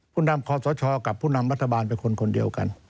นำคอสชกับผู้นำรัฐบาลเป็นคนคนเดียวกัน